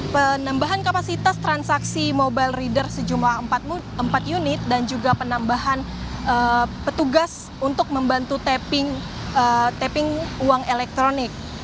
penambahan kapasitas transaksi mobile reader sejumlah empat unit dan juga penambahan petugas untuk membantu uang elektronik